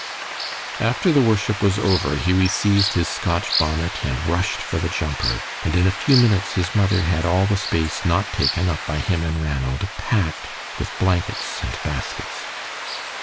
After the worship was over, Hughie seized his Scotch bonnet and rushed for the jumper, and in a few minutes his mother had all the space not taken up by him and Ranald packed with blankets and baskets.